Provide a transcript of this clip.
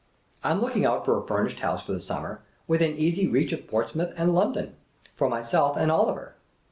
"I 'm looking out for a furnished house for the summer, within easy reach of Portsmouth and London^ for myself and Oliver."